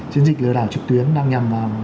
chiến dịch lừa đảo trực tuyến đang nhằm vào